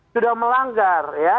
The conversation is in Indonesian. sudah melanggar ya